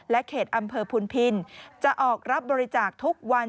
เขตอำเภอพุนพินจะออกรับบริจาคทุกวัน